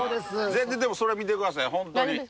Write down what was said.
全然でもそれは見てくださいほんとに。